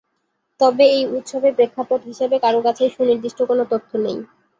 তবে এই উৎসবের প্রেক্ষাপট হিসেবে কারো কাছেই সুনির্দিষ্ট কোন তথ্য নেই।